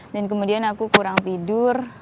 dan kemudian aku kurang tidur